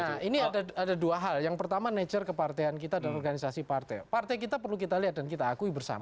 nah ini ada dua hal yang pertama nature kepartean kita dan organisasi partai partai kita perlu kita lihat dan kita akui bersama